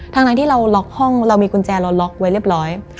ทั้งที่เราล็อกห้องเรามีกุญแจเราล็อกไว้เรียบร้อย